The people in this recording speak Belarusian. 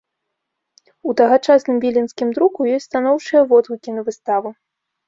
У тагачасным віленскім друку ёсць станоўчыя водгукі на выставу.